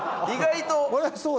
意外と。